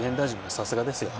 さすがです。